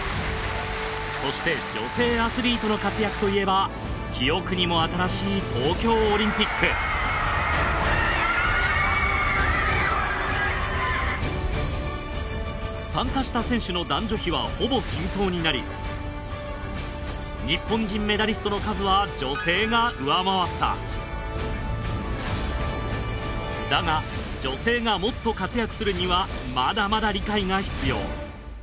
そして女性アスリートの活躍といえば記憶にも新しい東京オリンピック参加した選手の男女比はほぼ均等になり日本人メダリストの数は女性が上回っただが女性がもっと活躍するにはまだまだ理解が必要。